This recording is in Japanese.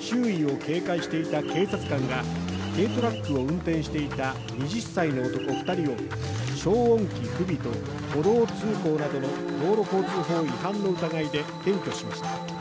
周囲を警戒していた警察官が軽トラックを運転していた２０歳の男を消音器不備と歩道通行などの道路交通法違反の疑いで検挙しました。